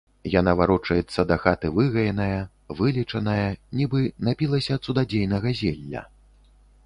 Яна варочаецца да хаты выгаеная, вылечаная, нібы напілася цудадзейнага зелля.